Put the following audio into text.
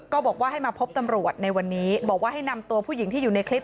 ก็บอกว่าให้มาพบตำรวจในวันนี้บอกว่าให้นำตัวผู้หญิงที่อยู่ในคลิป